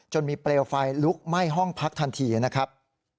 มีเปลวไฟลุกไหม้ห้องพักทันทีนะครับ